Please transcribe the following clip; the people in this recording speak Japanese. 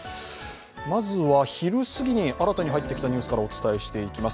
まずは昼すぎに新たに入ってきたニュースからお伝えしていきます。